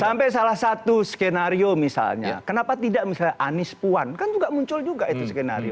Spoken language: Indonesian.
sampai salah satu skenario misalnya kenapa tidak misalnya anies puan kan juga muncul juga itu skenario